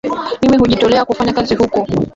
Mimi hujitolea kufanya kazi huko